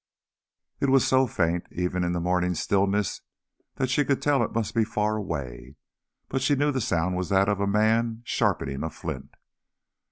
It was so faint even in the morning stillness that she could tell it must be far away. But she knew the sound was that of a man sharpening a flint.